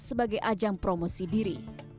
sebagai ajang promosi diri